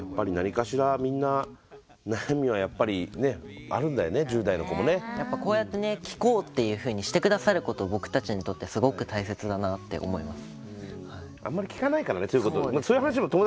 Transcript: やっぱり何かしらみんな悩みはやっぱりあるんだよね、１０代の子もこうやって聴こうってしてくださる子も僕たちにとってすごく大切だなと思います。